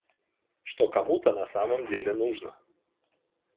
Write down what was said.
что кому-то на самом деле нужно